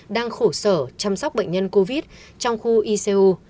đang khổ sở chăm sóc bệnh nhân covid trong khu icu